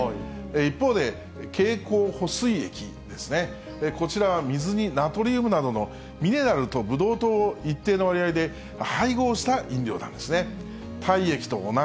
一方で、経口補水液ですね、こちらは水に、ナトリウムなどのミネラルとブドウ糖を一定の割合で配合した飲料なんですね。